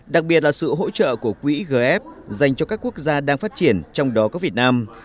đặc biệt là sự hỗ trợ của quỹ gf dành cho các quốc gia đang phát triển trong đó có việt nam